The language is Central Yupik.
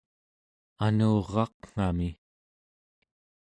anuraqngami